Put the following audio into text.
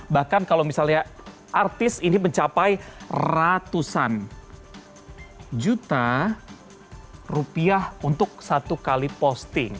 bahkan kalau misalnya artis ini mencapai ratusan juta rupiah untuk satu kali posting